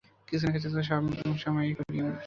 কিছু না কিছু তো সবসময়েই করি আমরা।